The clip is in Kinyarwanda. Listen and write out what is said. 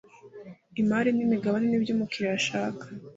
imari n imigabane ni byo umukiriya ashaka